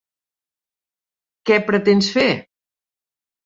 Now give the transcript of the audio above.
Què pretens fer?